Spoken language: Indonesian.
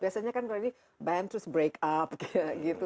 biasanya kan kalau ini band terus break up gitu